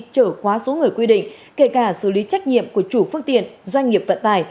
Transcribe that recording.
trở quá số người quy định kể cả xử lý trách nhiệm của chủ phương tiện doanh nghiệp vận tải